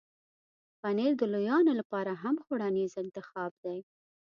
پنېر د لویانو لپاره هم خوړنیز انتخاب دی.